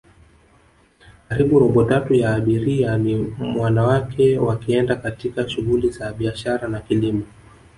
karibu robo tatu ya abiria ni wanawake wakienda katika shuguli za biashara na kilimo